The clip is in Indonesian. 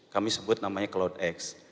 kami sebut namanya cloudx